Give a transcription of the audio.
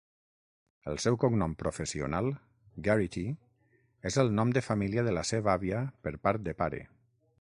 El seu cognom professional, Garity, és el nom de família de la seva àvia per part de pare.